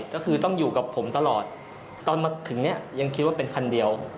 ก็คือต้องอยู่กับผมตลอดตอนมาถึงเนี่ยยังคิดว่าเป็นคันเดียว